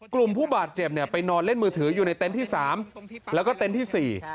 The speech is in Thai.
กลุ่มผู้บาดเจ็บไปนอนเล่นมือถืออยู่ในเต็นต์ที่๓แล้วก็เต็นต์ที่๔